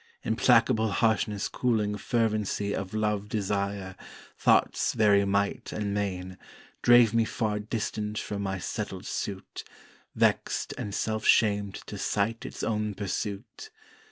Implacable harshness cooling fervency Of Love Desire (thought's very might and main) Drave me far distant fro' my settled suit, Vext and self shamed to sight its own pursuit.